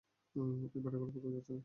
অই ভেড়াগুলো কোথাও যাচ্ছে না।